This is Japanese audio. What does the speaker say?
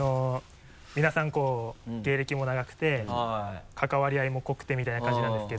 皆さんこう芸歴も長くて関わり合いも濃くてみたいな感じなんですけど。